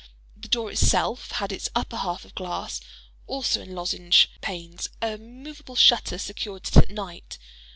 The door itself had its upper half of glass, also in lozenge panes—a movable shutter secured it at night.